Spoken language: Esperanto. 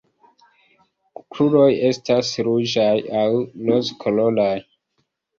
Kruroj estas ruĝaj aŭ rozkoloraj.